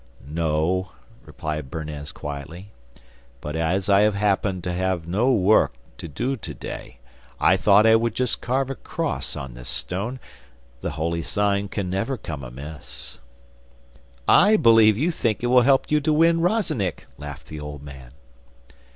'No,' replied Bernez quietly, 'but as I happened to have no work to do to day, I thought I would just carve a cross on this stone. The holy sign can never come amiss.' 'I believe you think it will help you to win Rozennik,' laughed the old man.